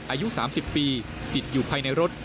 อายุ๓๐ปีติดอยู่ภายในรถ